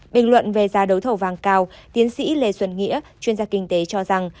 bình luận về giá đấu thầu vàng cao tiến sĩ lê xuân nghĩa chuyên gia kinh tế cho rằng